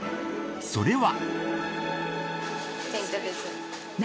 それは。